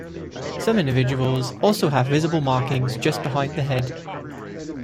Some individuals also have visible markings just behind the head.